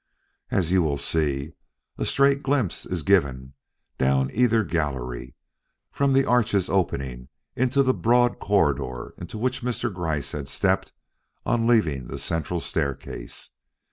As you will see, a straight glimpse is given down either gallery from the arches opening into the broad corridor into which Mr. Gryce had stepped on leaving the central staircase.